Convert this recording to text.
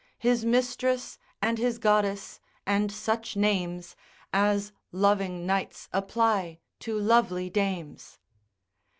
His mistress, and his goddess, and such names, As loving knights apply to lovely dames.